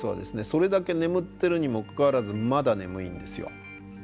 それだけ眠ってるにもかかわらずまだ眠いんですよ。